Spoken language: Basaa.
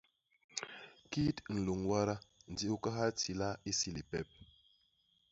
Kit nlôñ wada ndi u kahal tila isi lipep.